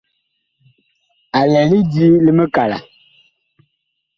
A lɛ lidi li mikala.